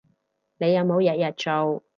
你有冇日日做